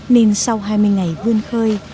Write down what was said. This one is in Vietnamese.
nên sau hai mươi ngày vươn khơi